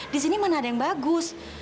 di sini mana ada yang bagus